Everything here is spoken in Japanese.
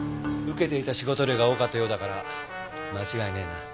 受けていた仕事量が多かったようだから間違いねえな。